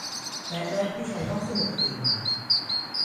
และได้ผู้ใช้ห้องสมุดคืนมา